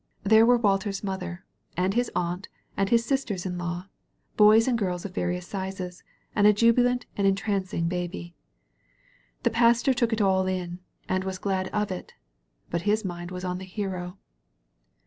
There were Walter's mother and his aunt and his sisters in law, boys and girls of various sizes, and a jubilant and entrancing baby. The Pastor took it all in, and was glad of it, but his mind was on the Hero.